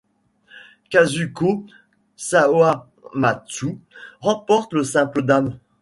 Kazuko Sawamatsu remporte le simple dames.